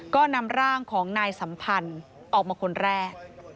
ก็นำร่างของนายสัมพันธ์ออกมาคนแรก